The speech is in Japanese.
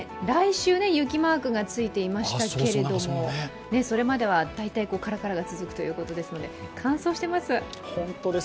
来週、雪マークがついていましたけれども、それまでは大体カラカラが続くということですので乾燥しています。